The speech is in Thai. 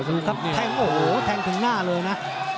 แทงถึงหน้าเลยนะ